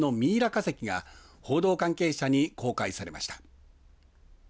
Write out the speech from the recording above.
化石が報道関係者に公開されました。